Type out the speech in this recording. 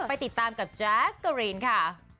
ไปติดตามกับแจ๊กกะรีนค่ะ